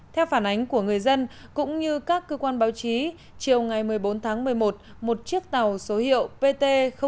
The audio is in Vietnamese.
theo phản ánh của người dân cũng như các cơ quan báo chí chiều ngày một mươi bốn tháng một mươi một một chiếc tàu số hiệu pt sáu trăm bảy mươi bảy